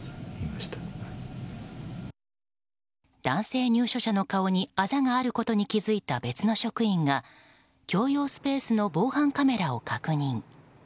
男性入所者の顔にあざがあることに気づいた別の職員が共用スペースの防犯カメラを確認。